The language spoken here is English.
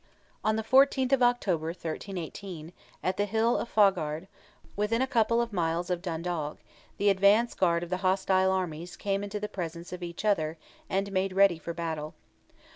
On the 14th of October, 1318, at the hill of Faughard, within a couple of miles of Dundalk, the advance guard of the hostile armies came into the presence of each other, and made ready for battle.